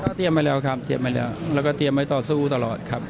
เตรียมไว้แล้วครับเตรียมไว้แล้วแล้วก็เตรียมไว้ต่อสู้ตลอดครับ